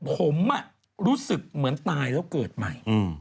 ผมรู้สึกเหมือนตายแล้วเกิดใหม่